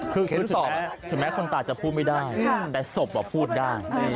คือถึงแม้คนตายจะพูดไม่ได้แต่ศพพูดได้